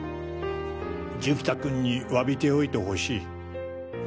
寿飛太君に詫びておいてほしい。